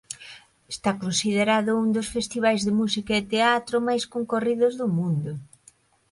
Está considerado un dos festivais de música e teatro máis concorridos do mundo.